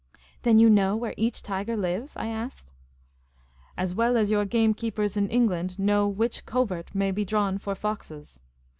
" Then you know where each tiger lives ?" I asked. " As well as your gamekeepers in England know which covert may be drawn for foxes.